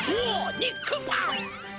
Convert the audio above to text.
ニックパン！？